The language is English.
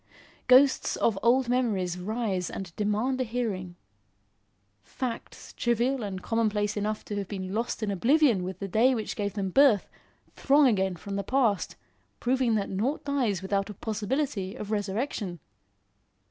Ghosts of old memories rise and demand a hearing. Facts, trivial and commonplace enough to have been lost in oblivion with the day which gave them birth, throng again from the past, proving that nought dies without a possibility of resurrection.